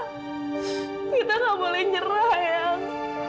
kita nggak boleh nyerah ya